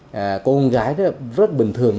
có con gái rất bình thường